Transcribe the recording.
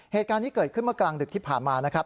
เหตุการณ์นี้เกิดขึ้นเมื่อกลางดึกที่ผ่านมานะครับ